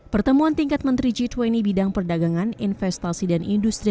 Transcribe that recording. pertemuan tingkat menteri g dua puluh bidang perdagangan investasi dan industri